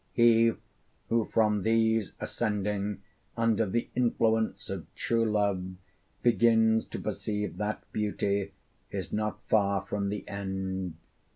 He who from these ascending under the influence of true love, begins to perceive that beauty, is not far from the end.